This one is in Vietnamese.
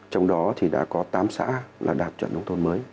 trong đó đã có tám xã đạt chuẩn nông thôn mới